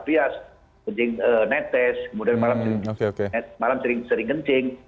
bias kencing netes kemudian malam sering kencing